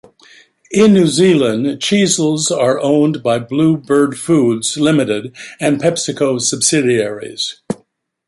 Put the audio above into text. In New Zealand, Cheezels are owned by Bluebird Foods Limited and Pepsico subsidiaries.